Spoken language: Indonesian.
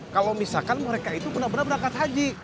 kalau misalkan mereka itu benar benar berangkat haji